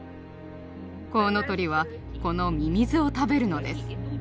コウノトリはこのミミズを食べるのです。